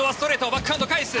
バックハンド返す。